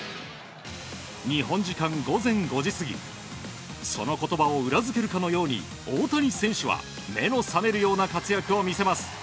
日本時間午前５時過ぎその言葉を裏付けるかのように大谷選手は目の覚めるような活躍を見せます。